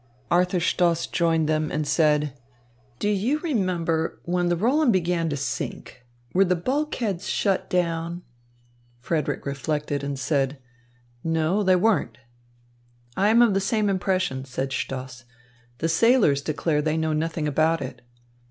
Arthur Stoss joined them, and said: "Do you remember when the Roland began to sink, were the bulkheads shut down?" Frederick reflected and said, "No, they weren't." "I am of the same impression," said Stoss. "The sailors declare they know nothing about it."